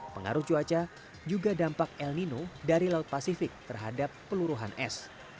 pengaruh cuaca juga dampak el nino dari laut pasifik terhadap peluruhan es